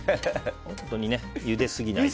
本当に、ゆですぎないで。